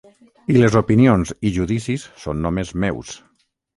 I les opinions i judicis són només meus.